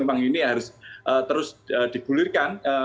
memang ini harus terus digulirkan